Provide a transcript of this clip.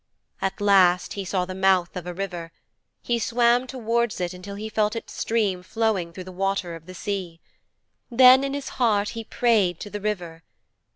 At last he saw the mouth of a river. He swam towards it until he felt its stream flowing through the water of the sea. Then in his heart he prayed to the river.